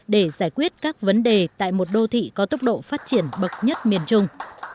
để giải quyết các vấn đề tại một đô thị có tốc độ phát triển bậc nhất miền trung